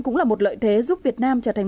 cũng là một lợi thế giúp việt nam trở thành